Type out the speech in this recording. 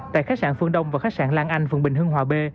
tại khách sạn phương đông và khách sạn lan anh phường bình hưng hòa b